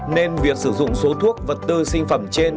nên việc sử dụng số thuốc vật tư sinh phẩm trên